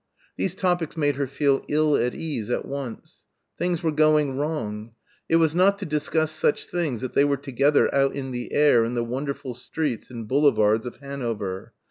These topics made her feel ill at ease at once. Things were going wrong. It was not to discuss such things that they were together out in the air in the wonderful streets and boulevards of Hanover.